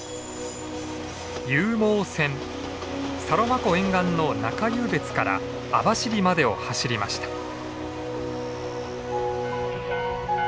サロマ湖沿岸の中湧別から網走までを走りました。